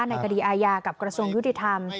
ในคดีอาญากับกระทรวงยุติธรรม